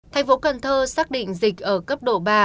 thành phố cần thơ xác định dịch ở cấp độ ba